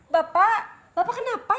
bapak bapak kenapa